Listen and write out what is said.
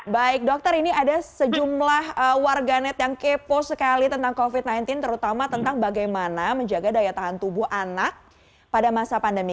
baik dokter ini ada sejumlah warganet yang kepo sekali tentang covid sembilan belas terutama tentang bagaimana menjaga daya tahan tubuh anak pada masa pandemi